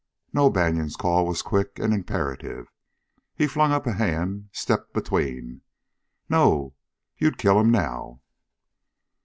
"No!" Banion's call was quick and imperative. He flung up a hand, stepped between. "No! You'd kill him now?"